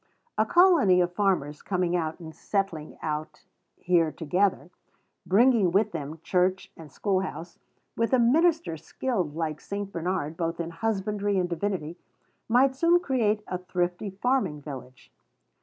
A colony of farmers coming out and settling here together, bringing with them church and schoolhouse, with a minister skilled like St. Bernard both in husbandry and divinity, might soon create a thrifty farming village.